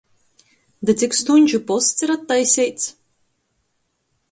Da cik stuņžu posts ir attaiseits?